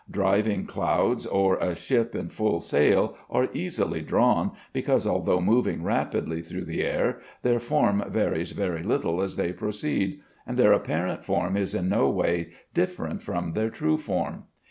Driving clouds or a ship in full sail are easily drawn, because, although moving rapidly through the air, their form varies very little as they proceed, and their apparent form is in no way different from their true form.